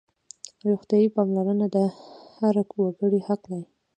روغتیايي پاملرنه د هر وګړي حق دی.